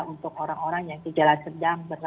untuk orang orang yang gejala sedang